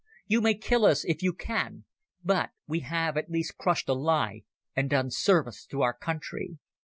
You may kill us if you can, but we have at least crushed a lie and done service to our country."